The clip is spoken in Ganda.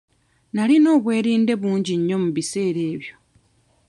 Nnalina obwerinde bungi nnyo mu biseera ebyo.